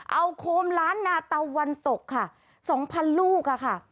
เอาโคมล้านนาตะวันตกค่ะ๒๐๐ลูกค่ะ